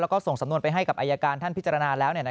แล้วก็ส่งสำนวนไปให้กับอายการท่านพิจารณาแล้ว